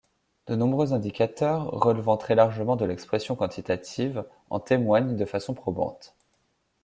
De nombreux indicateurs, relevant très largement de l'expression quantitative, en témoignent de façon probante.